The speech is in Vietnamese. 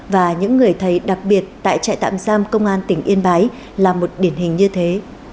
và những người thầy đặc biệt tại trại tạm giam công an tỉnh yên bái là một điển hình như thế